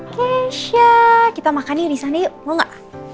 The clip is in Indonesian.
keshaaa kita makannya di sana yuk mau nggak